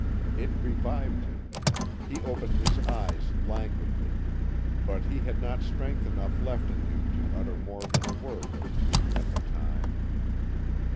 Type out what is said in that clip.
It revived him; he opened his eyes languidly; but he had not strength enough left in him to utter more than a word or two at the time.